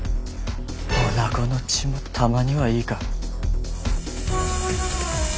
女子の血もたまにはいいか。